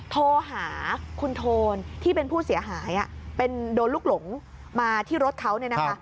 โทรหาคุณโทนที่เป็นผู้เสียหายเป็นโดนลูกหลงมาที่รถเขาเนี่ยนะคะ